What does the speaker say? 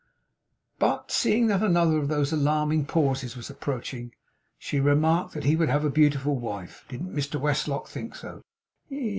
But seeing that another of those alarming pauses was approaching, she remarked that he would have a beautiful wife. Didn't Mr Westlock think so?